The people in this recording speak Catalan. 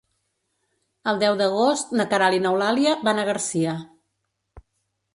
El deu d'agost na Queralt i n'Eulàlia van a Garcia.